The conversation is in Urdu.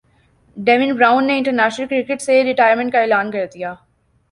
ڈیوین براوو نے انٹرنیشنل کرکٹ سے ریٹائرمنٹ کا اعلان کردیا